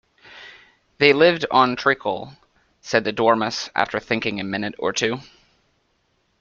‘They lived on treacle,’ said the Dormouse, after thinking a minute or two.